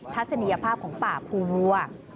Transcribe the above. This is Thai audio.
ทัศนียภาพของป่าภูวัว